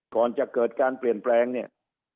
ก่อนจะเกิดการเปลี่ยนแปลงเนี่ย